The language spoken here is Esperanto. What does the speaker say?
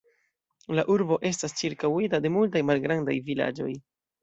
La urbo estas ĉirkaŭita de multaj malgrandaj vilaĝoj.